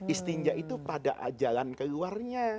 istinja itu pada jalan keluarnya